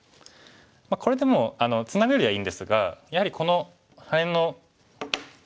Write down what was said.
これでもツナぐよりはいいんですがやはりこのハネの。